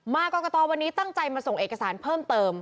กรกตวันนี้ตั้งใจมาส่งเอกสารเพิ่มเติม